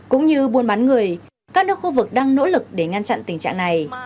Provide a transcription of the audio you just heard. cũng như buôn bán người các nước khu vực đang nỗ lực để ngăn chặn tình trạng này